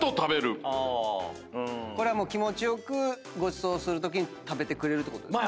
これはもう気持ち良くごちそうするときに食べてくれるってことですか？